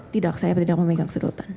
tidak saya tidak memegang sedotan